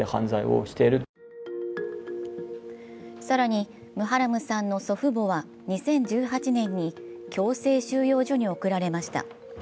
更に、ムハラムさんの祖父母は２０１８年に強制収容所に送られました。